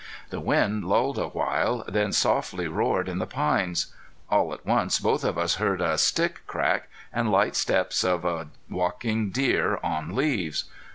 The wind lulled a while, then softly roared in the pines. All at once both of us heard a stick crack, and light steps of a walking deer on leaves.